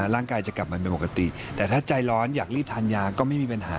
ร่างกายจะกลับมาเป็นปกติแต่ถ้าใจร้อนอยากรีบทานยาก็ไม่มีปัญหา